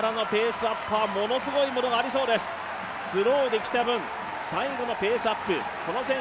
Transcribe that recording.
スローで来た分、最後のペースアップ。